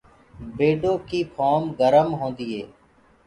بيڊو ڪيٚ ڦهوم گرم هوندي هي۔